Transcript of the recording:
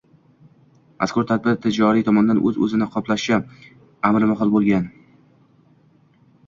Mazkur tadbir tijoriy tomondan o‘z-o‘zini qoplashi amri mahol bo‘lgan